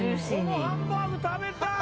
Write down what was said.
「このハンバーグ食べたい！」